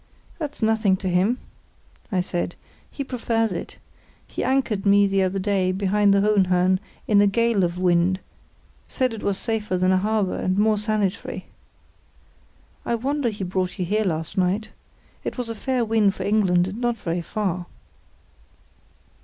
"That's nothing to him," I said; "he prefers it. He anchored me the other day behind the Hohenhörn in a gale of wind; said it was safer than a harbour, and more sanitary." "I wonder he brought you here last night. It was a fair wind for England; and not very far."